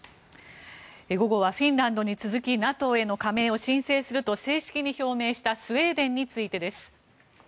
午後はフィンランドに続きＮＡＴＯへの加盟を申請すると正式に表明したスウェーデンについてです。